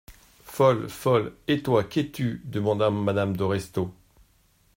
Folle ! folle ! Et toi, qu'es-tu ? demanda madame de Restaud.